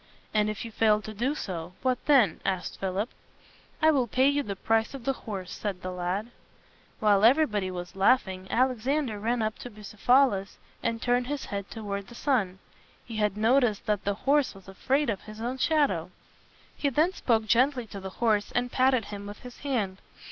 "And if you fail to do so, what then?" asked Philip. "I will pay you the price of the horse," said the lad. While everybody was laughing, Alexander ran up to Bu ceph a lus, and turned his head toward the sun. He had noticed that the horse was afraid of his own shadow. He then spoke gently to the horse, and patted him with his hand.